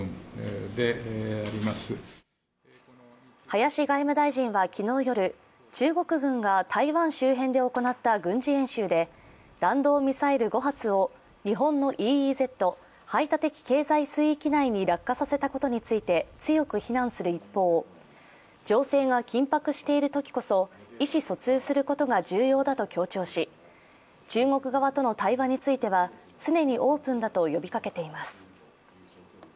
林外務大臣は昨日夜、中国軍が台湾周辺で行った軍事演習で、弾道ミサイル５発を日本のＥＥＺ＝排他的経済水域内に落下させたことについて強く非難する一方情勢が緊迫しているときこそ意思疎通することが重要だと強調し、中国側との対話については常にオープンだと呼びかけています。